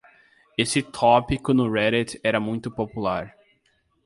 Esse tópico no Reddit era muito popular.